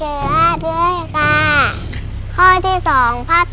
ปีหน้าหนูต้อง๖ขวบให้ได้นะลูก